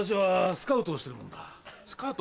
スカウト！